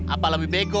apa lebih bego